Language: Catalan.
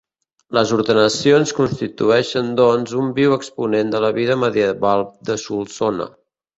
Les ordenacions constitueixen doncs un viu exponent de la vida medieval de Solsona.